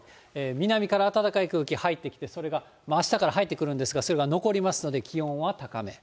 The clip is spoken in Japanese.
南から暖かい空気入ってきて、それが、あしたから入ってくるんですが、それが残りますので、気温は高め。